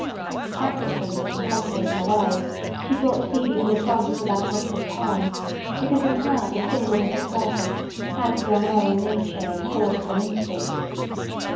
Practical and subtle in her way, she brought Stevie to the front without loss of time, because in her the singleness of purpose had the unerring nature and the force of an instinct.